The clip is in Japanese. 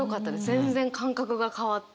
全然感覚が変わって。